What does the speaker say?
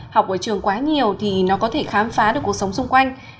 học ở trường quá nhiều thì nó có thể khám phá được cuộc sống xung quanh